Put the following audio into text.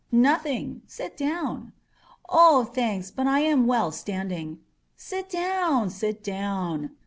"Nothing. Sit down." "Oh, thanks, but I am well standing." "Sit down. Sit down."